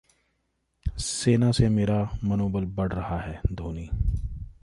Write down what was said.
सेना से मेरा मनोबल बढ़ रहा है: धोनी